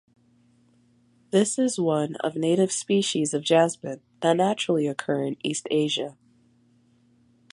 This is one of native species of jasmine that naturally occur in East Asia.